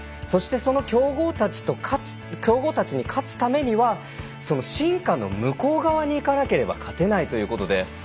そしてその強豪たちに勝つためには進化の向こう側に行かなければ勝てないということで。